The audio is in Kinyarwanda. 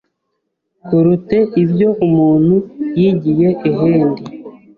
kurute ibyo umuntu yigiye ehendi.